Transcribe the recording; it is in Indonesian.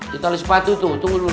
di tali sepatu tuh tunggu dulu